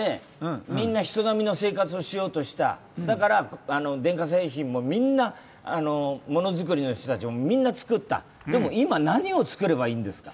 みんな人並みの生活をしようとした、だから、電化製品もみんな、ものづくりの人たちもみんな、作ったでも、今、何を作ればいいんですか？